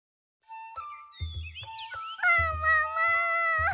ももも！